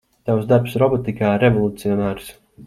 Tavs darbs robotikā ir revolucionārs.